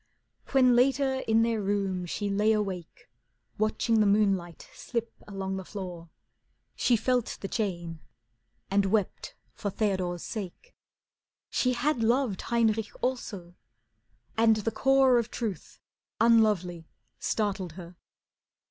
When later in their room she lay awake, Watching the moonlight slip along the floor, She felt the chain and wept for Theodore's sake. She had loved Heinrich also, and the core Of truth, unlovely, startled her.